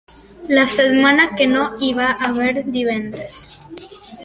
La setmana que no hi va haver divendres.